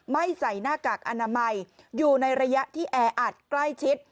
ใส่หน้ากากอนามัยอยู่ในระยะที่แออัดใกล้ชิด